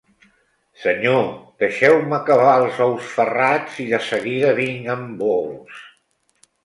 Senyor! Deixeu-me acabar els ous ferrats i de seguida vinc amb vós.